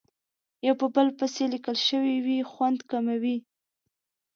یو په بل پسې لیکل شوې وي خوند کموي.